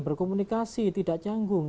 berkomunikasi tidak canggung